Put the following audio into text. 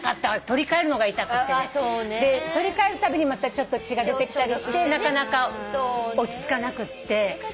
取り換えるのが痛くて。で取り換えるたびにまたちょっと血が出てきたりしてなかなか落ち着かなくって。